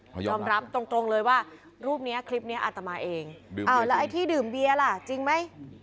เขายอมรับตรงเลยว่ารูปนี้คลิปนี้อาตมาเองอ้าวแล้วไอ้ที่ดื่มเบียร์ล่ะจริงไหม